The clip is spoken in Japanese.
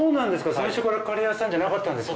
最初からカレー屋さんじゃなかったんですか。